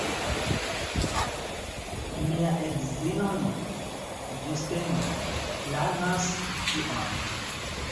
Mia edzino nun, ĝuste nun, planas tion.